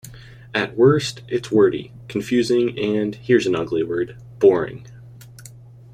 At worst, it's wordy, confusing and - here's an ugly word - boring.